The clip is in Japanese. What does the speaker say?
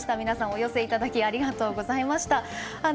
皆さん、お寄せいただきありがとうございました。